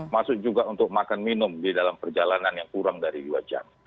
masuk juga untuk makan minum di dalam perjalanan yang kurang dari dua jam